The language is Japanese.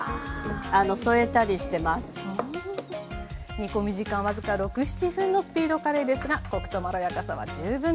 煮込み時間僅か６７分のスピードカレーですがコクとまろやかさは十分です。